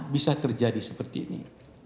bisa terjadi seperti ini